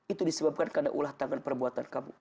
itu disebabkan karena ulah tangan perbuatan kamu